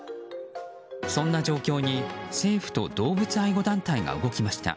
そんな状況に政府と動物愛護団体が動きました。